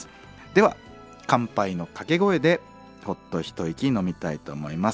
では「乾杯」の掛け声でほっと一息飲みたいと思います。